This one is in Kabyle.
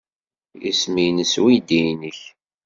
Isem-nnes uydi-nnek?